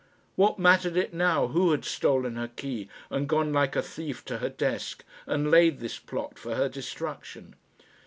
What mattered it now who had stolen her key, and gone like a thief to her desk, and laid this plot for her destruction?